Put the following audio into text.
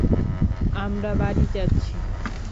আমরা বাড়ি যাচ্ছি।